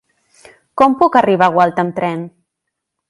Com puc arribar a Gualta amb tren?